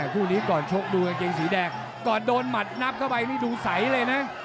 คู่นี้ก่อนชกดูกางเกงสีแดงก่อนโดนหมัดนับเข้าไปนี่ดูใสเลยนะ